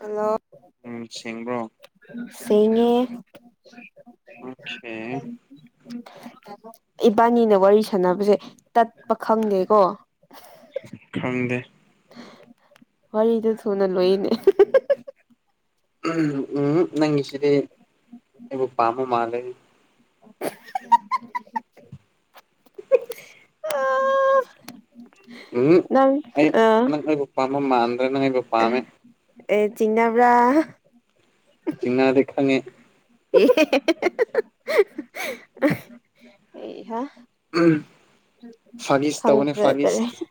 Hello ꯎꯝ ꯁꯦꯡꯕ꯭ꯔꯣ ꯁ‌ꯦꯡꯉ‌ꯦ ꯑꯣꯀꯦ [unintelligible] ꯏꯕꯥꯅꯤꯅ ꯋꯥꯔꯤ ꯁꯥꯟꯅꯕꯁꯦ ꯇꯠꯄ ꯈꯪꯗꯦꯀꯣ ꯈꯪꯗꯦ ꯋꯥꯔꯤꯗꯨ ꯊꯨꯅ ꯂꯣꯏꯌꯦꯅꯦ ꯎꯝ ꯎꯝꯍ ꯅꯪꯒꯤꯁꯤꯗꯤ ꯑꯩꯕꯨ ꯄꯥꯝꯕ ꯃꯥꯜꯂꯦꯅꯦ [unintelligible] ꯎꯝ ꯅꯪ ꯑꯩ ꯑ ꯅꯪ ꯑꯩꯕꯨ ꯄꯥꯝꯕ ꯃꯥꯟꯗ꯭ꯔꯦ ꯅꯪ ꯑꯩꯕꯨ ꯄꯥꯝꯃꯦ ꯑꯦ ꯆꯤꯡꯅꯕ꯭ꯔꯥ ꯆꯤꯡꯅꯗꯦ ꯈꯪꯉꯦ [unintelligible] ꯑꯦ ꯑꯦꯍꯥ ꯐꯥꯒꯤꯁ ꯇꯧꯕꯅꯦ ꯈꯪꯕ꯭ꯔꯗꯔꯦ ꯐꯥꯒꯤꯁ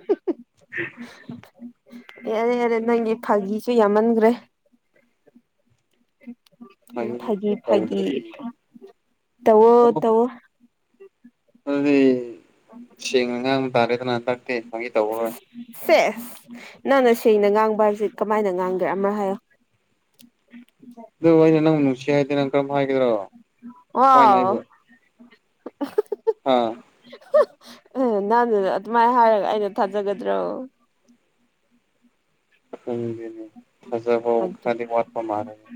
[unintelligible] ꯌꯥꯔꯦ ꯌꯥꯔꯦ ꯅꯪꯒꯤ ꯐꯥꯒꯤꯁꯨ ꯌꯥꯝꯃꯟꯒꯔꯦ ꯐꯒꯤ ꯐꯥꯒꯤꯁꯦ ꯐꯒꯤ ꯇꯧꯗ꯭ꯔꯗꯤ ꯇꯋꯣ ꯑꯣ ꯇꯋꯣ ꯑꯗꯨꯗꯤ ꯁꯦꯡꯅ ꯉꯥꯡꯕ ꯇꯥꯔꯦꯗꯅ ꯍꯟꯇꯛꯇꯦ ꯐꯥꯒꯤ ꯇꯧꯔꯔꯣꯏ ꯁꯦꯁ ꯅꯪꯅ ꯁꯦꯡꯅ ꯉꯥꯡꯕ ꯍꯥꯏꯕꯁꯦ ꯀꯃꯥꯏꯅ ꯉꯥꯡꯒꯦꯔꯥ ꯑꯃꯔꯛ ꯍꯥꯏꯌꯣ ꯑꯗꯨꯕꯨ ꯑꯩꯅ ꯅꯪ ꯅꯨꯡꯁꯤ ꯍꯥꯏꯗꯦ ꯅꯪ ꯀꯔꯝ ꯍꯥꯏꯒꯗ꯭ꯔꯣ ꯋꯥꯎ ꯑꯥ ꯎ ꯅꯪ ꯑꯗꯨꯃꯥꯏꯅ ꯍꯥꯏꯔꯒ ꯑꯩꯅ ꯊꯥꯖꯒꯗ꯭ꯔꯣ ꯈꯪꯗꯦꯅꯦ ꯐꯖꯕ ꯑꯗꯨ ꯈꯥꯗꯤ ꯋꯥꯠꯄ ꯃꯥꯜꯂꯦꯅꯦ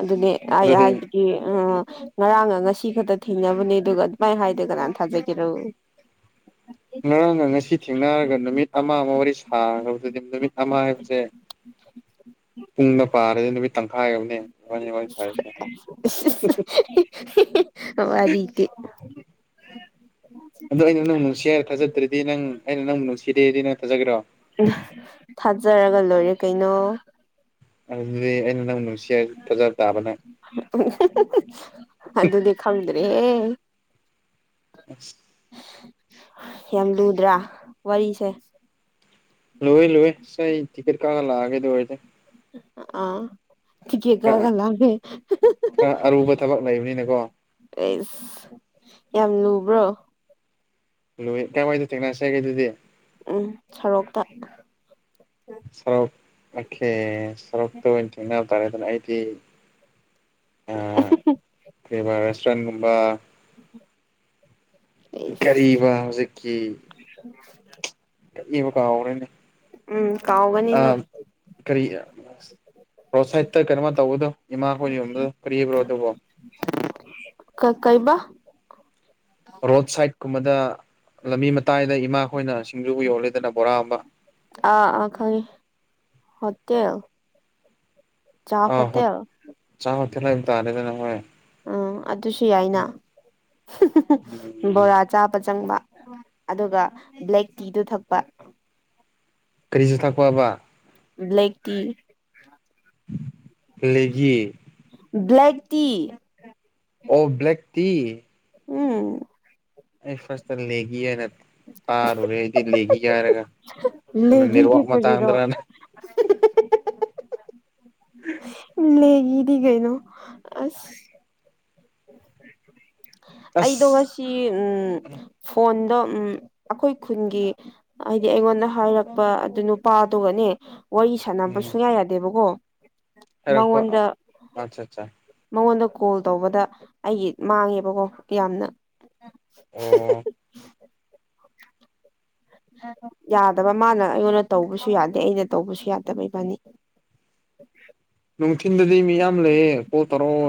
ꯑꯗꯨꯅꯦ [unintelligible] ꯑꯦ ꯑ ꯑꯗꯨꯗꯤ ꯉꯔꯥꯡꯒ ꯉꯁꯤ ꯈꯛꯇ ꯊꯦꯡꯅꯕꯅꯦ ꯑꯗꯨꯒ ꯑꯗꯨꯃꯥꯏꯅ ꯍꯥꯏꯗ ꯀꯅꯥꯅ ꯊꯥꯖꯒꯦꯔꯣ ꯉꯔꯥꯡꯒ ꯉꯁꯤ ꯊꯦꯡꯅꯔꯒ ꯅꯨꯃꯤꯠ ꯑꯃꯃꯨꯛ ꯋꯥꯔꯤ ꯁꯥꯈ꯭ꯔꯕꯗꯨꯗꯤ ꯅꯨꯃꯤꯠ ꯑꯃ ꯍꯥꯏꯕꯁꯦ [unintelligible] ꯄꯨꯡꯗ ꯄꯥꯔꯗꯤ ꯅꯨꯃꯤꯠ ꯇꯪꯈꯥꯏ ꯌꯧꯅꯦ ꯏꯁ ꯏꯁ ꯋꯥꯔꯤꯗꯤ ꯑꯗꯣ ꯑꯩꯅ ꯅꯪꯕꯨ ꯅꯨꯡꯁꯤ ꯍꯥꯏꯔ ꯊꯥꯖꯗ꯭ꯔꯗꯤ ꯅꯪ ꯑꯩꯅ ꯅꯪꯕꯨ ꯅꯨꯡꯁꯤꯗꯦꯗꯤ ꯅꯪ ꯊꯥꯖꯒꯦꯔꯣ ꯊꯥꯖꯔꯒ ꯂꯣꯏꯔꯦ ꯀꯩꯅꯣ ꯑꯗꯨꯗꯤ ꯑꯩꯅ ꯅꯪꯕꯨ ꯅꯨꯡꯁꯤ ꯍꯥꯏꯕꯁꯨ ꯊꯥꯖꯕ ꯇꯥꯕ ꯅꯪ ꯑꯗꯨꯗꯤ ꯈꯪꯗ꯭ꯔꯦꯍꯦ ꯑꯁ ꯌꯥꯝ ꯂꯨꯗ꯭ꯔꯥ ꯋꯥꯔꯤꯁꯦ ꯂꯣꯏ ꯂꯣꯏꯑꯦ ꯑꯁ ꯑꯩ ꯇꯤꯛꯀꯦꯠ ꯀꯛꯑꯒ ꯂꯥꯛꯑꯒꯦ ꯑꯗꯨ ꯑꯣꯏꯔꯗꯦ ꯑꯥ [unintelligible] ꯇꯤꯀꯦꯠ ꯈꯔ ꯀꯛꯑꯒ ꯑ ꯂꯥꯛꯑꯦ ꯈꯔ ꯑꯔꯨꯕ ꯊꯕꯛ ꯂꯩꯕꯅꯤꯅꯀꯣ ꯑꯦꯁ ꯌꯥꯝ ꯂꯨꯕ꯭ꯔꯣ ꯂꯨ ꯀꯥꯏꯋꯥꯏꯗꯣ ꯊꯦꯡꯅꯁꯦꯒꯦ ꯑꯗꯨꯗꯤ ꯎꯝ ꯁꯣꯔꯣꯛꯇ ꯁꯔꯣꯛ ꯑꯣꯈꯦ ꯁꯔꯣꯛꯇ ꯑꯣꯏꯅ ꯊꯦꯡꯅ ꯇꯥꯔꯦꯗꯅ ꯑꯩꯗꯤ ꯑ ꯀꯩꯕꯥ ꯔꯦꯁꯇꯨꯔꯦꯟꯒꯨꯝꯕ [unintelligible] ꯀꯔꯤꯕ ꯍꯧꯖꯤꯛꯀꯤ [unintelligible] ꯈꯠꯅꯤꯕ ꯀꯥꯎꯒ꯭ꯔꯦꯅꯦ ꯎꯝ ꯀꯥꯎꯒꯅꯤꯅ ꯀꯔꯤ ꯔꯣꯗ ꯁꯥꯏꯠꯇ ꯀꯩꯅꯣꯃ ꯇꯧꯕꯗꯣ ꯏꯃꯥꯈꯣꯏꯅꯥ ꯌꯣꯟꯕꯗꯣ ꯀꯔꯤꯕ꯭ꯔꯣ ꯑꯗꯨꯕꯨ ꯀꯥ ꯀ ꯀꯩꯕ ꯔꯣꯗ ꯁꯥꯏꯠ ꯀꯨꯝꯕꯗ ꯂꯝꯕꯤ ꯃꯇꯥꯏꯗ ꯏꯃꯥꯈꯣꯏꯅ ꯁꯤꯡꯖꯨꯕꯨ ꯌꯣꯂꯦꯗꯅ ꯕꯣꯔꯥ ꯒꯨꯝꯕ ꯑꯥ ꯑ ꯈꯪꯉꯦ ꯍꯣꯇꯦꯜ ꯆꯥ ꯑ ꯍꯣ ꯍꯣꯇꯦꯜ ꯆꯥ [unintelligible] ꯇꯗꯅꯦ ꯍꯣꯔꯦꯟ ꯎꯝ ꯑꯗꯨꯁꯨ ꯌꯥꯏꯅ ꯕꯣꯔꯥ ꯎꯝ ꯕꯣꯔꯥ ꯆꯥꯕ ꯆꯪꯕ ꯑꯗꯨꯒ ꯕ꯭ꯂꯦꯛ ꯇꯤꯗꯨ ꯊꯛꯄ ꯀꯔꯤꯁꯨ ꯊꯥꯛꯄꯕ ꯕ꯭ꯂꯦꯛ ꯇꯤ ꯂꯩꯖꯤ ꯕ꯭ꯂꯦꯛ ꯇꯤ ꯑꯣ ꯕ꯭ꯂꯦꯛ ꯇꯤ ꯎꯝ ꯑꯩ ꯐꯥꯁꯇ ꯇꯥꯏ꯭ꯝ ꯂꯩꯒꯤ ꯍꯥꯏꯅ ꯇꯥꯔꯨꯔꯦ ꯑꯩꯗꯤ ꯂꯩꯒꯤ ꯍꯥꯏꯔꯒ ꯀꯩꯅꯣ ꯂꯩꯒꯤ ꯅꯦꯠꯋꯥꯛ ꯗꯤ ꯀꯔꯤꯔ ꯃꯇꯥꯡꯗꯔꯅ [unintelligible] ꯂꯩꯒꯤꯗꯤ ꯀꯩꯅꯣ ꯑꯁ ꯑꯩꯗꯣ ꯉꯁꯤ ꯑꯁ ꯎꯝ ꯐꯣꯟꯗ ꯎꯝ ꯑꯩꯈꯣꯏ ꯈꯨꯟꯒꯤ ꯍꯥꯏꯗꯤ ꯑꯩꯉꯣꯟꯗ ꯍꯥꯏꯔꯛꯄ ꯑꯗꯨ ꯅꯨꯄꯥꯗꯨꯒꯅꯦ ꯋꯥꯔꯤ ꯁꯥꯅꯥ ꯁꯥꯟꯅꯕ ꯎꯝ ꯁꯨꯡꯌꯥ ꯌꯥꯗꯦꯕꯀꯣ ꯍꯥꯏꯔꯛꯄ ꯃꯉꯣꯟꯗ ꯑꯠꯆꯥ ꯑꯠꯆꯥ ꯃꯉꯣꯟꯗ ꯀꯣꯜ ꯇꯧꯕꯗ ꯑꯩꯒꯤ ꯃꯥꯡꯉꯦꯕꯀꯣ ꯌꯥꯝꯅ ꯑꯣ ꯌꯥꯗꯕ ꯃꯥꯅ ꯑꯩꯉꯣꯟꯗ ꯇꯧꯕꯁꯨ ꯌꯥꯗꯦ ꯑꯩꯅ ꯇꯧꯕꯁꯨ ꯌꯥꯗꯕ ꯏꯕꯥꯅꯤ [unintelligible] ꯅꯨꯡꯊꯤꯟꯗꯗꯤ ꯃꯤ ꯌꯥꯝ ꯂꯩꯌꯦ ꯀꯣꯜ ꯇꯧꯔꯛꯑꯣ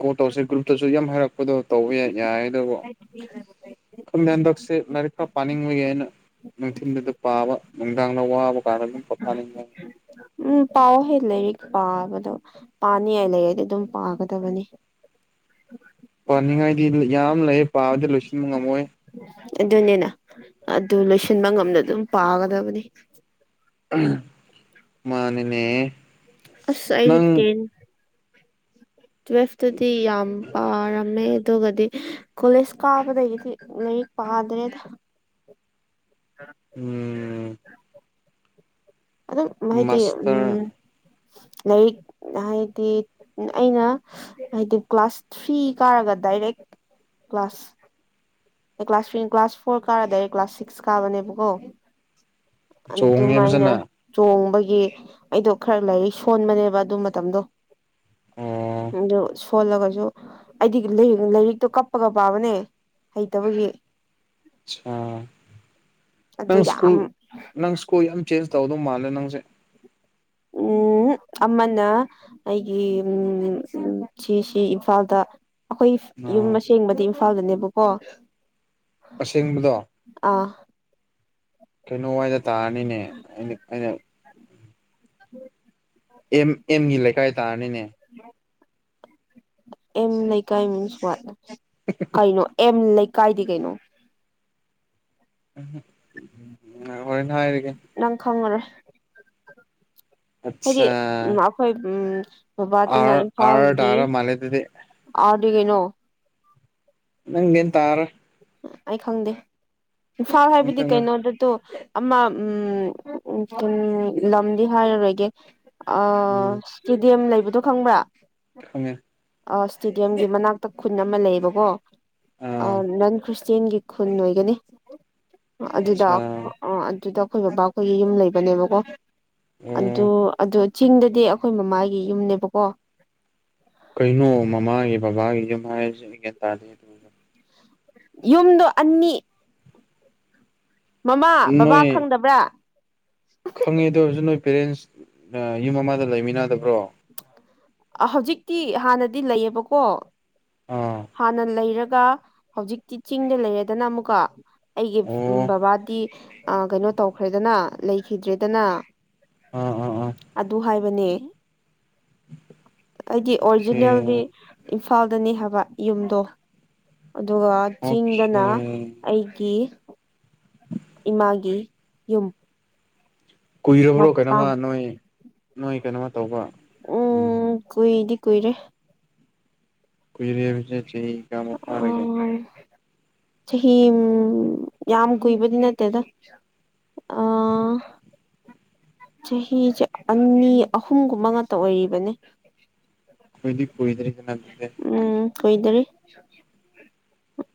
ꯀꯣꯜ ꯇꯧꯔꯁꯦ ꯒ꯭ꯔꯨꯞꯇꯁꯨ ꯌꯥꯝ ꯍꯥꯏꯔꯛꯄꯗꯣ ꯇꯧꯕ ꯌꯥꯏꯑꯦꯗꯨꯕꯨ [unintelligible] ꯈꯪꯗꯦ ꯍꯟꯗꯛꯁꯦ ꯂꯥꯏꯔꯤꯛ ꯈꯔꯥ ꯄꯅꯤꯡꯕꯒꯤ ꯑꯩꯅ ꯅꯨꯡꯊꯤꯟꯗꯨꯗ ꯄꯥꯕ ꯅꯨꯡꯗꯥꯡꯅ ꯋꯥꯕ ꯀꯥꯟꯗ ꯑꯗꯨꯝ ꯄꯣꯊꯥꯅꯤꯡꯉꯦ ꯎꯝ ꯄꯥꯎ ꯍꯦ ꯂꯩꯔꯤꯛ ꯄꯥꯕꯗꯣ ꯄꯥꯅꯤꯉꯥꯏ ꯂꯩꯔꯗꯤ ꯑꯗꯨꯝ ꯄꯥꯒꯗꯕꯅꯤ ꯄꯥꯅꯤꯡꯉꯥꯏꯗꯤ ꯌꯥꯝ ꯂꯩ ꯄꯥꯕꯗꯤ ꯂꯣꯏꯁꯤꯟꯕ ꯉꯝꯃꯣꯏ ꯑꯗꯨꯅꯤꯅ ꯑꯗꯨ ꯂꯣꯏꯁꯤꯟꯕ ꯉꯝꯅ ꯑꯗꯨꯝ ꯄꯥꯒꯗꯕꯅꯤ ꯃꯥꯅꯤꯅꯦ ꯑꯁ ꯑꯩꯁ ꯅꯪ ꯇꯦꯟ ꯇꯨꯋꯦꯜꯐꯇꯗꯤ ꯌꯥꯝ ꯄꯥꯔꯝꯃꯦ ꯑꯗꯨꯒꯗꯤ ꯀꯣꯂꯦꯖ ꯀꯥꯕꯗꯒꯤꯗꯤ ꯂꯥꯏꯔꯤꯛ ꯄꯥꯗ꯭ꯔꯦꯗꯥ ꯎꯝ ꯑꯗꯨꯝ ꯍꯥꯏꯗꯤ ꯃꯥꯁꯇꯔ ꯎꯝ ꯂꯥꯏꯔꯤꯛ ꯍꯥꯏꯗꯤ ꯑꯩꯅ ꯍꯥꯏꯗꯤ ꯀ꯭ꯂꯥꯁ ꯊ꯭ꯔꯤ ꯀꯥꯔꯒ ꯗꯥꯏꯔꯦꯛ ꯀ꯭ꯂꯥꯁ ꯑꯦ ꯀ꯭ꯂꯥꯁ ꯊ꯭ꯔꯤ ꯀ꯭ꯂꯥꯁ ꯐꯣꯔ ꯀꯥꯔ ꯗꯥꯏꯔꯦꯛ ꯀ꯭ꯂꯥꯁ ꯁꯤꯛ꯭ꯁ ꯀꯥꯕꯅꯦꯕꯀꯣ ꯆꯣꯡꯉꯦ ꯑꯗꯨꯃꯥꯏꯅ ꯐꯖꯅ ꯆꯣꯡꯕꯒꯤ ꯑꯩꯗꯣ ꯈꯔ ꯂꯥꯏꯔꯤꯛ ꯁꯣꯟꯕꯅꯦꯕ ꯑꯗꯨ ꯃꯇꯝꯗꯣ ꯑꯣ ꯑꯗꯨ ꯁꯣꯜꯂꯒꯁꯨ ꯑꯩꯗꯤ ꯂꯥꯏꯔꯤꯛ ꯂꯥꯏꯔꯤꯛꯇꯣ ꯀꯞꯄꯒ ꯄꯥꯕꯅꯦ ꯍꯩꯇꯕꯒꯤ ꯁꯥ ꯑꯗꯨ ꯅꯪ ꯁ꯭ꯀꯨꯜ ꯌꯥꯝ ꯅꯪ ꯁ꯭ꯀꯨꯜ ꯌꯥꯝ ꯆꯦꯟꯖ ꯇꯧꯗꯧ ꯃꯥꯜꯂꯦ ꯅꯪꯁꯦ ꯎꯝ ꯍꯨꯝ ꯑꯃꯅ ꯑꯩꯒꯤ ꯎꯝ ꯁꯤꯁꯤ ꯏꯝꯐꯥꯜꯗ ꯑꯩꯈꯣꯏ ꯌꯨꯝ ꯑꯁꯦꯡꯕꯗꯤ ꯏꯝꯐꯥꯜꯗꯅꯦꯕꯀꯣ ꯑꯁꯦꯡꯕꯗꯣ ꯑꯥ ꯀꯩꯅꯣꯋꯥꯏꯗ ꯇꯥꯔꯅꯤꯅꯦ ꯑꯩꯅ ꯑꯩꯅ ꯑꯦꯝ ꯑꯦꯝꯒꯤ ꯂꯩꯀꯥꯏ ꯇꯥꯔꯅꯤꯅꯦ ꯑꯦꯝ ꯂꯩꯀꯥꯏ ꯃꯤꯟꯁ ꯋꯥꯠ [unintelligible] ꯀꯩꯅꯣ ꯑꯦꯝ ꯂꯩꯀꯥꯏꯗꯤ ꯀꯩꯅꯣ [unintelligible] ꯍꯥꯏꯔꯒꯦ ꯅꯪ ꯈꯪꯉꯔꯣꯏ ꯍꯥꯏꯗꯤ ꯑꯠꯆꯥ ꯎꯝ ꯑꯩꯈꯣꯏ ꯕꯕꯥꯗꯨꯅ ꯑꯥꯔ ꯑꯥꯔ ꯏꯝꯐꯥꯜꯒꯤ ꯇꯥꯔ ꯃꯥꯜꯂꯦ ꯑꯗꯨꯗꯤ ꯑꯥꯔꯗꯤꯒꯩꯅꯣ ꯅꯪ ꯒꯤꯌꯥꯟꯟ ꯇꯥꯔꯔꯣꯏ ꯑꯩ ꯈꯪꯗꯦ ꯏꯝꯐꯥꯜ ꯅꯪ ꯍꯥꯏꯕꯗꯤ ꯈꯪꯉꯦ ꯀꯩꯅꯣꯗꯣꯇꯨ ꯑꯃ ꯎꯝ ꯂꯝꯗꯤ ꯍꯥꯏꯔꯔꯣꯏꯒꯦ ꯑꯥ ꯎꯝ ꯇꯦꯗꯤꯑꯝ ꯂꯩꯕꯗꯣ ꯈꯪꯕ꯭ꯔꯥ ꯈꯡꯉꯦ꯫ ꯑ ꯁꯇꯦꯗꯤꯌꯝꯒꯤ ꯃꯅꯥꯛꯇ ꯈꯨꯟ ꯑꯃ ꯂꯩꯌꯦꯕꯀꯣ ꯑ ꯑꯥ ꯅꯟ ꯈ꯭ꯔꯤꯁꯇꯦꯟꯒꯤ ꯈꯨꯟ ꯑꯣꯏꯒꯅꯤ ꯑꯗꯨꯗ ꯑꯠꯆꯥ ꯑꯗꯨꯗ ꯑꯩꯈꯣꯏ ꯕꯕꯥ ꯈꯣꯏꯒꯤ ꯌꯨꯝ ꯂꯩꯕꯅꯦꯕꯀꯣ ꯑꯗꯨ ꯑꯣ ꯑꯗꯨ ꯆꯤꯡꯗꯗꯤ ꯑꯈꯣꯏ ꯃꯃꯥꯒꯤ ꯌꯨꯝꯅꯦꯕꯀꯣ ꯀꯩꯅꯣ ꯃꯃꯥꯒꯤ ꯕꯕꯥꯒꯤ ꯌꯨꯝ ꯍꯥꯏꯔꯤꯁꯦ ꯑꯩ ꯒ꯭ꯌꯥꯟ ꯇꯥꯗꯦ ꯌꯨꯝꯗꯣ ꯑꯅꯤ ꯃꯃꯥ ꯕꯕꯥ ꯅꯣꯏ ꯈꯪꯗꯕ꯭ꯔꯥ ꯈꯪꯉꯦ ꯑꯗꯨ ꯑꯣꯏꯔꯁꯨ ꯅꯣꯏ ꯄꯦꯔꯦꯟꯁ ꯌꯨꯝ ꯑꯃꯗ ꯂꯩꯃꯤꯟꯅꯗꯥꯕ꯭ꯔꯣ ꯍꯧꯖꯤꯛꯇꯤ ꯍꯥꯟꯅꯗꯤ ꯂꯩꯌꯦꯕꯀꯣ ꯑꯥ ꯍꯥꯟꯅ ꯂꯩꯔꯒ ꯍꯧꯖꯤꯛꯇꯤ ꯆꯤꯡꯗ ꯂꯩꯔꯦꯗꯅ ꯑꯃꯨꯛꯀ ꯑꯩꯒꯤ ꯑꯣ ꯕꯕꯥꯗꯤ ꯑꯥ ꯀꯩꯅꯣ ꯇꯧꯈ꯭ꯔꯦꯗꯅ ꯂꯩꯈꯤꯗ꯭ꯔꯦꯗꯅ ꯑꯥ ꯑꯥ ꯑꯥ ꯑꯗꯨ ꯍꯥꯏꯕꯅꯦ ꯑꯩꯗꯤ ꯑꯣꯀꯦ ꯑꯣꯔꯤꯖꯤꯅꯦꯜꯗꯤ ꯑꯣꯀꯦ ꯏꯝꯐꯥꯜꯗꯅꯤ ꯍꯥꯏꯕ ꯌꯨꯝꯗꯣ ꯑꯗꯨꯒ ꯆꯤꯡꯗꯅꯥ ꯑꯩꯒꯤ ꯏꯃꯥꯒꯤ ꯌꯨꯝ ꯀꯨꯏꯔꯕ꯭ꯔꯣ ꯀꯩꯅꯣꯃ ꯃꯄꯥꯝ ꯅꯣꯏ ꯅꯣꯏ ꯀꯩꯅꯣꯃ ꯇꯧꯕ ꯎꯝ ꯀꯨꯏꯗꯤ ꯀꯨꯏꯔꯦ ꯀꯨꯏꯔꯦ ꯍꯥꯕꯁ ꯆꯍꯤ ꯀꯌꯥꯃꯨꯛ ꯐꯥꯔꯒꯦ ꯑꯥ ꯆꯍꯤ ꯌꯥꯝ ꯀꯨꯏꯕꯗꯤ ꯅꯠꯇꯦꯗ ꯑꯥ ꯆꯍꯤꯁꯦ ꯑꯅꯤ ꯑꯍꯨꯝꯒꯨꯝꯕ ꯉꯥꯛꯇ ꯑꯣꯏꯔꯤꯕꯅꯦ ꯀꯨꯏꯗꯤ ꯀꯨꯏꯗ꯭ꯔꯤꯗꯅ ꯑꯗꯨꯗꯤ ꯎꯝ ꯀꯨꯏꯗꯔꯤ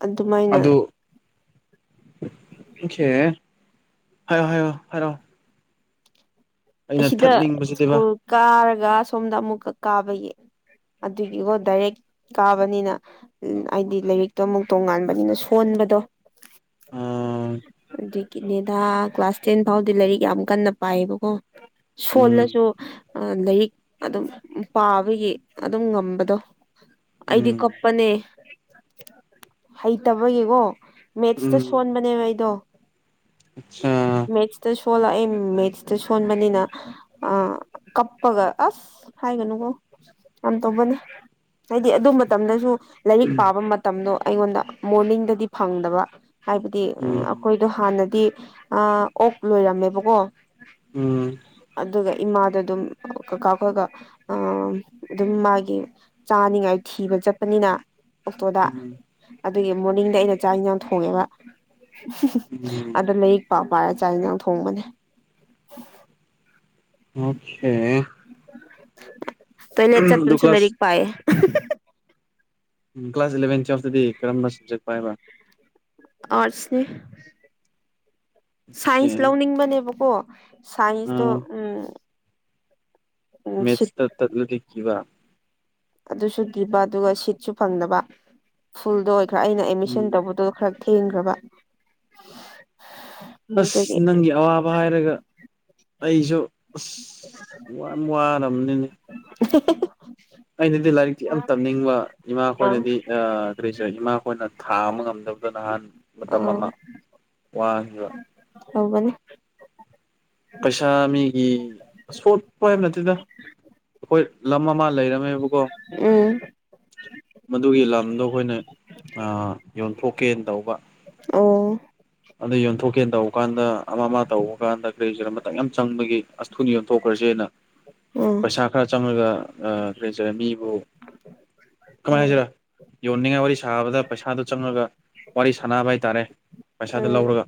ꯑꯗꯨꯃꯥꯏꯅ ꯈꯦ ꯍꯥꯏꯌꯣ ꯍꯥꯏꯌꯣ ꯍꯥꯏꯔꯣ ꯑꯁꯤꯗ ꯊꯠꯅꯤꯡꯕꯁꯤꯗꯤꯕ ꯁ꯭ꯀꯨꯜ ꯀꯥꯔꯒ ꯁꯣꯝꯗ ꯑꯃꯨꯛꯀ ꯀꯥꯕꯒꯤ ꯑꯗꯨꯒꯤꯒꯣ ꯗꯥꯏꯔꯦꯛ ꯀꯥꯕꯅꯤꯅ ꯎꯝ ꯍꯥꯏꯗꯤ ꯂꯥꯏꯔꯤꯛꯇꯣ ꯑꯃꯨꯛ ꯇꯣꯡꯉꯥꯟꯕꯅꯤꯅ ꯁꯣꯟꯕꯗꯣ ꯑꯥ ꯑꯗꯨ ꯒꯤꯅꯤꯗ ꯀ꯭ꯂꯥꯁ ꯇꯦꯟ ꯐꯥꯎꯗꯤ ꯂꯥꯏꯔꯤꯛ ꯌꯥꯝ ꯀꯟꯅ ꯄꯥꯏꯌꯦꯕꯀꯣ ꯎꯝ ꯁꯣꯜꯂꯁꯨ ꯂꯥꯏꯔꯤꯛ ꯑꯗꯨꯝ ꯄꯥꯕꯒꯤ ꯑꯗꯨꯝ ꯉꯝꯕꯗꯣ ꯑꯩꯗꯤ ꯀꯞ ꯎꯝ ꯄꯅꯦ ꯍꯩꯇꯕꯒꯤꯀꯣ ꯃꯦꯠꯁꯇ ꯁꯣꯟꯕꯅꯦꯕ ꯑꯩꯗꯣ ꯑꯆꯥ ꯃꯦꯠꯁꯇ ꯁꯣꯂ ꯑꯩ ꯃꯦꯠꯁꯇ ꯁꯨ ꯁꯣꯟꯕꯅꯤꯅ ꯑꯥ ꯀꯞꯄꯒ ꯑꯁ ꯍꯥꯏꯒꯅꯨꯀꯣ ꯌꯥꯝ ꯇꯧꯕꯅꯤ ꯍꯥꯏꯗꯤ ꯑꯗꯨ ꯃꯇꯝꯗꯁꯨ ꯂꯥꯏꯔꯤꯛ ꯄꯥꯕ ꯃꯇꯝꯗꯣ ꯑꯩꯉꯣꯟꯗ ꯃꯣꯔꯅꯤꯡꯗꯗꯤ ꯐꯪꯗꯕ ꯍꯥꯏꯕꯗꯤ ꯎꯝ ꯑꯈꯣꯏ ꯗꯣ ꯍꯥꯟꯅꯗꯤ ꯑ ꯑꯣꯛ ꯂꯣꯏꯔꯝꯃꯦꯕꯀꯣ ꯎꯝ ꯑꯗꯨꯒ ꯏꯃꯥꯗꯣ ꯑꯗꯨꯝ ꯀꯀꯥ ꯈꯣꯏꯒ ꯑꯥ ꯑꯗꯨꯝ ꯃꯥꯒꯤ ꯆꯥꯅꯤꯡꯉꯥꯏ ꯊꯤꯕ ꯆꯠꯄꯅꯤꯅ ꯑꯣꯛꯇꯣꯗ ꯎꯝ ꯑꯗꯨꯒꯤ ꯃꯣꯔꯅꯤꯡꯗ ꯑꯩꯅ ꯆꯥꯛ ꯍꯤꯟꯖꯥꯡ ꯊꯣꯡꯉꯦꯕ ꯎꯝ ꯑꯗ ꯂꯥꯏꯔꯤꯛ ꯄꯥ ꯄꯥꯔ ꯆꯥꯛ ꯍꯤꯟꯖꯥꯡ ꯊꯣꯡꯕꯅꯦ [inaudible] ꯑꯣꯈꯦ ꯇꯣꯏꯂꯦꯠ ꯑꯗꯨ ꯆꯠꯄꯗꯁꯨ ꯀ꯭ꯂꯥꯁ ꯂꯥꯢꯔꯤꯛ ꯄꯥꯏꯌꯦ ꯎꯝ ꯒ꯭ꯂꯥꯁ ꯏꯂꯚꯦꯟ ꯇꯨꯋꯦꯜꯞꯇꯗꯤ ꯀꯔꯝꯕ ꯁꯕꯖꯦꯛ ꯄꯥꯏꯕ꯭ꯔꯥ ꯑꯥꯔꯠꯁꯅꯦ ꯑꯣꯀꯦ ꯁꯥꯏꯟꯁ ꯂꯧꯅꯤꯡꯕꯅꯦꯕꯀꯣ ꯁꯥꯏꯟꯁꯇꯣ ꯑꯥ ꯎꯝ ꯁꯤꯠ ꯃꯦꯠꯁꯇꯇ ꯇꯠꯂꯗꯤ ꯀꯤꯕ ꯑꯗꯨꯁꯨ ꯀꯤꯕ ꯑꯗꯨꯒ ꯁꯤꯠꯁꯨ ꯐꯪꯗꯕ ꯐꯨꯜꯗ ꯑꯣꯏꯈ꯭ꯔꯥ ꯑꯩꯅ ꯑꯦꯃꯤꯁꯟ ꯎꯝ ꯇꯧꯕꯗꯣ ꯈꯔ ꯊꯦꯡꯒ꯭ꯔꯕ ꯑꯁ ꯅꯪꯒꯤ ꯑꯋꯥ ꯕ ꯍꯥꯏꯔꯒ ꯑꯩꯖꯨ ꯑꯁ ꯌꯥꯝ ꯋꯥꯔꯕꯅꯤꯅꯦ [inaudible] ꯑꯩꯅꯗꯤ ꯂꯥꯏꯔꯤꯛꯇꯤ ꯌꯥꯝ ꯇꯝꯅꯤꯡꯕ ꯑꯥ ꯏꯃꯥꯍꯣꯏꯅꯗꯤ [unintelligible] ꯏꯃꯥꯍꯣꯏꯅ ꯊꯥꯕ ꯉꯝꯗꯕꯗ ꯅꯍꯥꯟ ꯃꯇꯝ ꯑꯥ ꯑꯃ ꯋꯥꯈꯤꯕ ꯇꯧꯕꯅꯦ ꯄꯩꯁꯥ ꯃꯤꯒꯤ ꯁꯣꯠꯄ ꯅꯠꯇꯦꯗ ꯑꯈꯣꯏ ꯂꯝ ꯑꯃ ꯂꯩꯔꯝꯃꯦꯕꯀꯣ ꯎꯝ ꯃꯗꯨꯒꯤ ꯂꯝꯗꯣ ꯈꯣꯏꯅ ꯑ ꯌꯣꯟꯊꯣꯛꯀꯦꯅ ꯇꯧꯕ ꯑꯣ ꯑꯗꯨ ꯌꯣꯟꯊꯣꯛꯀꯦꯅ ꯇꯧꯕ ꯀꯥꯟꯗ ꯑꯃ ꯑꯃ ꯇꯧꯕ ꯀꯥꯟꯗ ꯀꯔꯤ ꯀ꯭ꯔꯤꯔꯣ ꯃꯇꯝ ꯌꯥꯝ ꯆꯪꯕꯒꯤ ꯑꯁ ꯊꯨꯅ ꯌꯣꯟꯊꯣꯛꯈ꯭ꯔꯁꯦꯅ [inaudible] ꯄꯩꯁꯥ ꯈꯔ ꯆꯪꯔꯒ ꯀꯔꯤ [unintelligible] ꯃꯤꯕꯨ ꯀꯃꯥꯏꯅ ꯎꯝ ꯍꯥꯏꯁꯤꯔꯥ ꯌꯣꯟꯅꯤꯡꯉꯥꯏ ꯋꯥꯔꯤ ꯁꯥꯕꯗ ꯄꯩꯁꯥꯗꯨ ꯆꯪꯉꯒ ꯋꯥꯔꯤ ꯁꯥꯟꯅꯕ ꯍꯥꯏꯇꯥꯔꯦ ꯄꯩꯁꯥꯗꯨ ꯎꯝ ꯂꯧꯔꯒ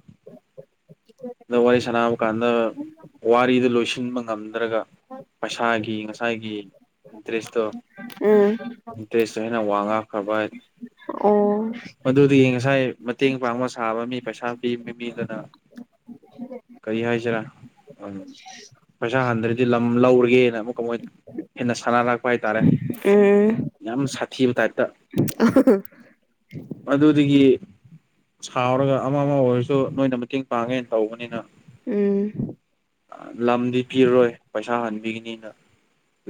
ꯗ ꯋꯥꯔꯤ ꯁꯥꯟꯅꯕ ꯀꯥꯟꯗ ꯋꯥꯔꯤꯗꯨ ꯂꯣꯏꯁꯤꯟꯕ ꯉꯝ ꯗ꯭ꯔꯥꯒ ꯄꯩꯁꯥꯒꯤ ꯉꯁꯥꯏꯒꯤ ꯏꯟꯇꯔꯦꯁꯇꯣ ꯎꯝ ꯏꯟꯇꯔꯦꯁꯇꯣ ꯍꯦꯟꯅ ꯋꯥ ꯉꯥꯡꯈ꯭ꯔꯥꯕ ꯑꯣ ꯑꯗꯨꯗꯤ ꯉꯁꯥꯏ ꯃꯇꯦꯡ ꯄꯥꯡꯕ ꯁꯥꯕ ꯃꯤ ꯄꯩꯁꯥ ꯄꯤꯕ ꯅꯨꯄꯤꯗꯨꯅ ꯀꯩ ꯍꯥꯏꯁꯤꯔꯥ ꯎꯝ ꯄꯩꯁꯥ ꯍꯟꯗ꯭ꯔꯗꯤ ꯂꯝ ꯂꯧꯔꯒꯦꯅ ꯑꯃꯨꯛꯀ ꯃꯣꯏ ꯍꯦꯟꯅ ꯁꯥꯟꯅꯔꯛꯄ ꯍꯥꯏꯇꯥꯔꯦ ꯎꯝ ꯌꯥꯝ ꯁꯥꯊꯤꯕ ꯇꯥꯏꯞꯇ ꯑ [unintelligible] ꯑꯗꯨꯗꯒꯤ ꯁꯥꯎꯔꯒ ꯑꯃ ꯑꯃ ꯑꯣꯏꯔꯁꯨ ꯅꯣꯏꯅ ꯃꯇꯦꯡ ꯄꯥꯡꯉꯦꯅ ꯇꯧꯕꯅꯤꯅ ꯎꯝ ꯂꯝꯗꯤ ꯄꯤꯔꯔꯣꯏ ꯄꯩꯁꯥ ꯍꯟꯕꯤꯒꯅꯤꯅ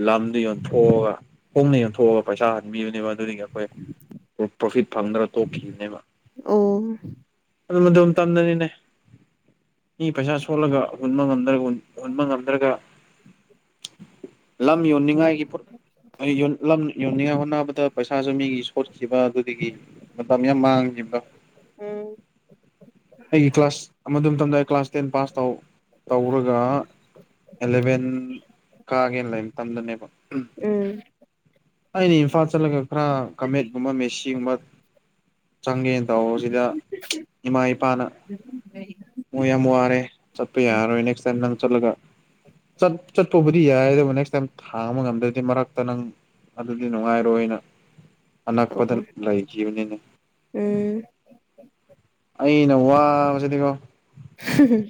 ꯂꯝꯗꯨ ꯌꯣꯟꯊꯣꯛꯑꯒ ꯍꯣꯡꯅ ꯌꯣꯟꯊꯣꯛꯑꯒ ꯄꯩꯁꯥ ꯍꯟꯕꯤꯕꯅꯦꯕ ꯑꯗꯨꯅꯤ ꯑꯩꯈꯣꯏ ꯄ꯭ꯔꯣꯐꯤꯠ ꯐꯪꯗꯅ ꯇꯣꯛꯈꯤꯕꯅꯦꯕ ꯑꯣ ꯑꯗꯨ ꯑꯗꯨꯝ ꯃꯇꯝꯗꯅꯤꯅꯦ ꯃꯤ ꯄꯩꯁꯥ ꯁꯣꯜꯂꯒ ꯍꯨꯟꯕ ꯉꯝꯗ꯭ꯔ ꯍꯨꯟꯕ ꯉꯝꯗ꯭ꯔꯒ ꯂꯝ ꯌꯣꯟꯅꯤꯡꯉꯥꯏꯒꯤ ꯂꯝ ꯌ ꯌꯣꯟꯅꯤꯡꯉꯥꯢ ꯍꯣꯠꯅꯕꯗ ꯄꯩꯁꯥꯁꯨ ꯃꯤꯒꯤ ꯁꯣꯠꯈꯤꯕ ꯑꯗꯨꯗꯒꯤ ꯃꯇꯝ ꯌꯥꯝ ꯃꯥꯡꯈꯤꯕ ꯎꯝ ꯑꯩꯒꯤ ꯀ꯭ꯂꯥꯁ ꯑꯗꯨ ꯃꯇꯝꯗ ꯑꯩ ꯀ꯭ꯂꯥꯁ ꯇꯦꯟ ꯄꯥꯁ ꯇꯧ ꯇꯧꯔꯒ ꯑꯦꯂꯚꯦꯟ ꯀꯥꯒꯦꯅ ꯂꯩ ꯃꯇꯝꯗꯅꯦꯕ ꯎꯝ ꯎꯝ ꯑꯩꯅ ꯏꯝꯐꯥꯜ ꯆꯠꯂꯒ ꯈꯔ ꯀꯃꯦꯠꯀꯨꯝꯕ ꯃꯦꯁꯤꯒꯨꯝꯕ ꯆꯪꯒꯦꯅ ꯇꯧꯕꯁꯤꯗ [inaudible] ꯏꯃꯥ ꯏꯄꯥꯅ ꯃꯣꯢ ꯌꯥꯝ ꯋꯥꯔꯦ ꯆꯠꯄ ꯌꯥꯔꯔꯣꯏ ꯅꯦꯛꯁ ꯇꯥꯏꯝ ꯅꯪ ꯆꯠꯂꯒ ꯆꯠꯄꯕꯨꯗꯤ ꯌꯥꯏ ꯑꯗꯨꯕꯨ ꯅꯦꯛꯁ ꯇꯥꯏꯝ ꯊꯥꯡꯕ ꯉꯝꯗ꯭ꯔꯗꯤ ꯃꯔꯛꯇ ꯅꯪ ꯑꯗꯨꯗꯤ ꯅꯨꯡꯉꯥꯏꯔꯣꯏꯅ ꯑꯅꯛꯄꯗ ꯂꯩꯈꯤꯕꯅꯤꯅꯦ ꯎꯝ ꯑꯩꯅ ꯋꯥꯕꯁꯤꯗꯤꯀꯣ ꯍ [unintelligible]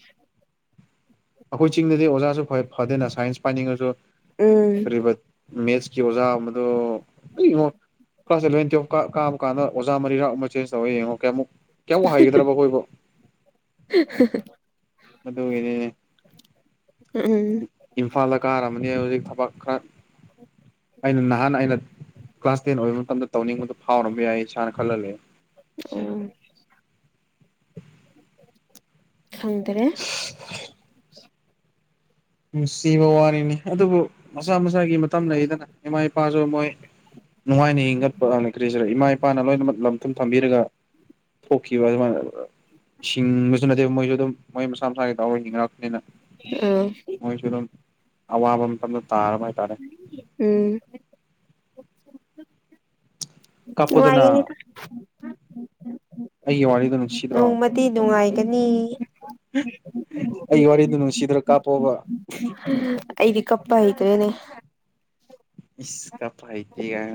ꯑꯩꯈꯣꯏ ꯆꯤꯡꯗꯗꯤ ꯑꯣꯖꯥꯁꯨ ꯈ꯭ꯋꯥꯏ ꯐꯗꯦꯅ ꯁꯥꯏꯟꯁ ꯄꯥꯏꯅꯤꯡꯉꯁꯨ ꯎꯝ ꯃꯦꯠꯁꯀꯤ ꯑꯣꯖꯥ ꯑꯃꯗꯨ ꯑꯩ ꯌꯣ ꯀ꯭ꯂꯥꯁ ꯑꯦꯂꯚꯦꯟ ꯇꯨꯌꯦꯞ ꯀꯥꯕꯀꯥꯟꯗ ꯑꯣꯖꯥ ꯃꯔꯤꯔꯥꯛ ꯑꯃ ꯆꯦꯟꯖ ꯇꯧꯔꯦ ꯌꯦꯡꯉꯣꯀꯦ ꯑꯃꯨꯛ ꯀꯌꯥꯝ ꯋꯥ ꯍꯥꯏꯒꯗ꯭ꯔꯕ ꯑꯩꯈꯣꯏꯕꯨ [unintelligible] ꯑꯗꯨꯒꯤꯅꯤꯅꯦ ꯎꯝ ꯎꯝ ꯏꯝꯐꯥꯜꯗ ꯀꯥꯔꯝꯃꯗꯤ ꯍꯧꯖꯤꯛ ꯊꯕꯛ ꯈꯔ ꯑꯩꯅ ꯅꯍꯥꯟ ꯑꯩꯅ ꯀ꯭ꯂꯥꯁ ꯇꯦꯟ ꯑꯣꯏꯕ ꯃꯇꯝꯗ ꯇꯧꯅꯤꯡꯕꯗꯣ ꯐꯥꯎꯔꯝꯕ ꯌꯥꯏ ꯏꯁꯥꯅ ꯈꯜꯍꯜꯂꯦ ꯑꯣ ꯈꯪꯗ꯭ꯔꯦ ꯅꯨꯡꯁꯤꯕ ꯋꯥꯔꯤꯅꯤ ꯑꯗꯨꯕꯨ ꯃꯁꯥ ꯃꯁꯥꯒꯤ ꯃꯇꯝ ꯂꯩꯗꯅ ꯏꯃꯥ ꯏꯄꯥꯁꯨ ꯃꯣꯏ ꯅꯨꯡꯉꯥꯏꯅ ꯍꯤꯡꯒꯠꯄ ꯂꯩ ꯀ꯭ꯔꯤ ꯍꯥꯢꯁꯤꯔ ꯏꯃꯥ ꯏꯄꯥꯅ ꯂꯣꯏꯅꯃꯛ ꯂꯝ ꯊꯨꯝ ꯊꯝꯕꯤꯔꯒ ꯍꯣꯛꯀꯤꯈꯤꯕꯕ ꯃꯥ ꯁꯤꯡꯕꯁꯨ ꯅꯠꯇꯦꯕ ꯃꯣꯏꯁꯨ ꯑꯗꯨꯝ ꯃꯣꯏ ꯃꯁꯥ ꯃꯁꯥꯒꯤ ꯇꯎꯔ ꯍꯤꯡꯅꯔꯛꯄꯅꯤꯅ ꯑꯥ ꯃꯣꯏꯁꯨ ꯑꯗꯨꯝ ꯑꯋꯥꯕ ꯃꯇꯝꯗ ꯇꯥꯔꯕ ꯍꯥꯏꯇꯥꯔꯦ ꯎꯝ ꯀꯥꯞꯄꯣꯗꯅ ꯅꯨꯉꯥꯏꯒꯅꯤꯗ ꯑꯩꯒꯤ ꯋꯥꯔꯤꯗꯣ ꯅꯨꯡꯁꯤꯗ꯭ꯔꯣ ꯅ‌ꯣꯡꯃ ꯗꯤ ꯅꯨꯡꯉꯥꯏꯒꯅꯤ ꯑꯩ ꯋꯥꯔꯤꯗꯨ ꯅꯨꯡꯁꯤꯗ꯭ꯔ ꯀꯥꯞꯄꯣꯕ ꯑꯩꯒꯤ ꯀꯞꯄ ꯍꯥꯏꯗꯦꯅꯦ ꯏꯁ ꯀꯞꯄ ꯍꯩꯇ‌ꯦꯒ ꯍꯥꯏ